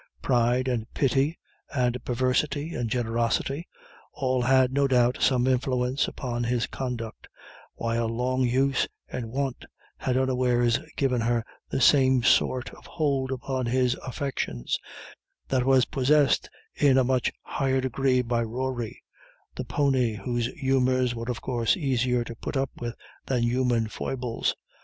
Pride and pity and perversity and generosity all had, no doubt, some influence upon his conduct, while long use and wont had unawares given her the same sort of hold upon his affections that was possessed in a much higher degree by Rory, the pony, whose humours were of course easier to put up with than human foibles.